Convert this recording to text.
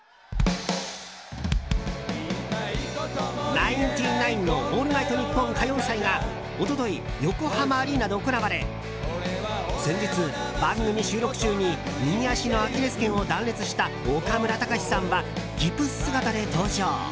「ナインティナインのオールナイトニッポン歌謡祭」が一昨日、横浜アリーナで行われ先日、番組収録中に右足のアキレス腱を断裂した岡村隆史さんはギプス姿で登場。